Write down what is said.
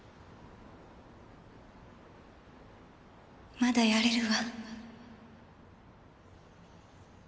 まだやれるわ。